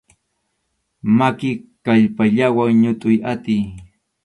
Maki kallpallawan ñutʼuy atiy.